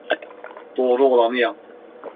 Doğru olanı yap.